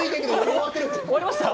終わりました？